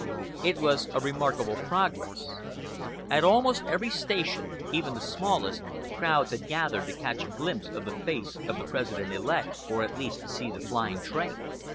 It was a remarkable progress. At almost every station, even the smallest, crowds had gathered to catch a glimpse of the face of the President elect, or at least to see the flying train.